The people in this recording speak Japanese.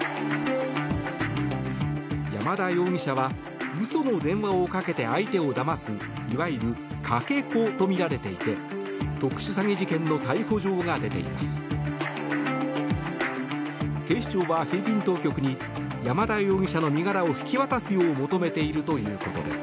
山田容疑者は嘘の電話をかけて相手をだますいわゆる、かけ子とみられていて特殊詐欺事件の逮捕状が出ています。